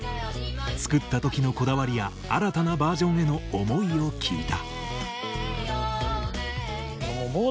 作った時のこだわりや新たなバージョンへの思いを聞いた。